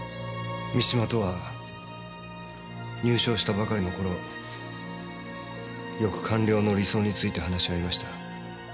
三島とは入省したばかりの頃よく官僚の理想について話し合いました。